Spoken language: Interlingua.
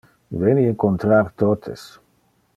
Veni incontrar totes.